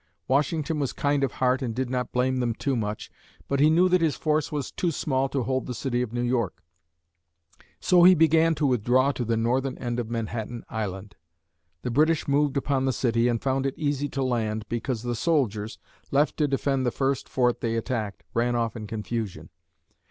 Washington was kind of heart and did not blame them too much, but he knew that his force was too small to hold the city of New York; so he began to withdraw to the northern end of Manhattan Island. The British moved upon the city and found it easy to land, because the soldiers, left to defend the first fort they attacked, ran off in confusion.